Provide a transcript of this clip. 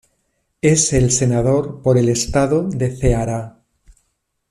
Es senador por el estado de Ceará.